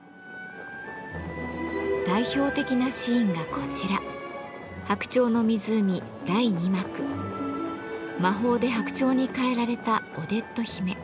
代表的なシーンがこちら魔法で白鳥に変えられたオデット姫。